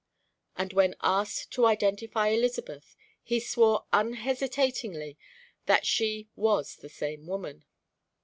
And when asked to identify Elizabeth, he swore unhesitatingly that she was the same woman.